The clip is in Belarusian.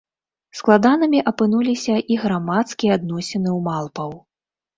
Складанымі апынуліся і грамадскія адносіны ў малпаў.